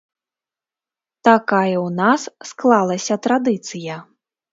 Такая ў нас склалася традыцыя.